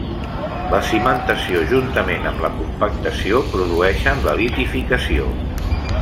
La cimentació, juntament amb la compactació, produeixen la litificació.